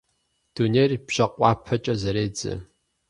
Дунейр бжьакъуэпэкӀэ зэредзэ.